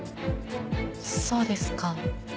そうですか。